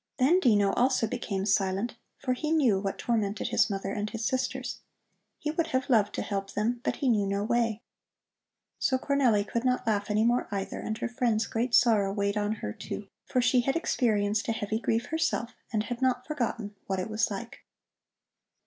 Then Dino also became silent, for he knew what tormented his mother and his sisters. He would have loved to help them, but he knew no way. So Cornelli could not laugh any more, either, and her friend's great sorrow weighed on her, too, for she had experienced a heavy grief herself and had not forgotten what it was like.